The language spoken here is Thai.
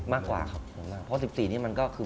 มากกว่าเพราะ๑๔นี่มันก็คือ